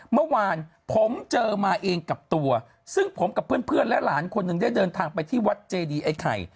เมื่อวานผมเจอมาเองกับตัวซึ่งผมกับเพื่อนและหลานคนหนึ่งได้เดินทางไปที่วัดเจดีไอ้ไข่